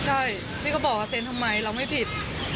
ใช่พี่ก็บอกว่าเซ็นทำไมเราไม่ผิด